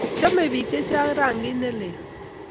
chamei biik che chang' rangit ne lel